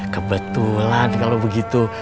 kebetulan kalau begitu